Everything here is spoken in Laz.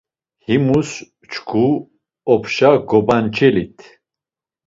Himus çku opşa gobanç̌elit.